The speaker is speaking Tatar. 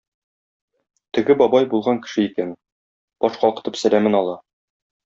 Теге бабай булган кеше икән, баш калкытып сәламен ала.